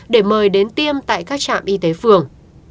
để mời đến tiêm tại các trạm y tế phường